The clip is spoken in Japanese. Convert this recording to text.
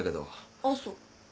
あっそう。